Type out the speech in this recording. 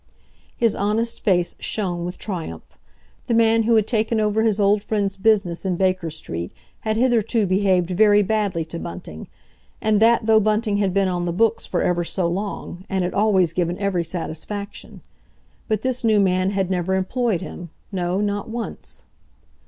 His honest face shone with triumph. The man who had taken over his old friend's business in Baker Street had hitherto behaved very badly to Bunting, and that though Bunting had been on the books for ever so long, and had always given every satisfaction. But this new man had never employed him—no, not once.